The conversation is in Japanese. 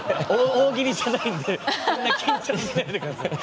大喜利じゃないんでそんな緊張しないでください。